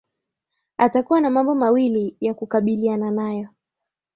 atakuwa na mambo mawili ya kukabiliana nayo